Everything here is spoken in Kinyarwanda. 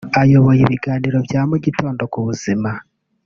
Ayoboye ibiganiro bya mu gitondo ku buzima